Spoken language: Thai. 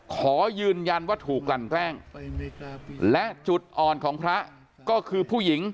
ขอยืนยันว่าถูกกลั่นแกล้งและจุดอ่อนของพระก็คือผู้หญิง